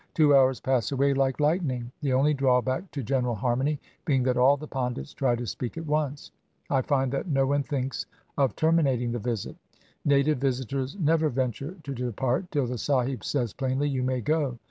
Two hours pass away like lightning, the only drawback to general harmony being that all the Pandits try to speak at once. I find that no one thinks of terminating the visit. Native visitors never venture to depart till the sahib says plainly, "You may go."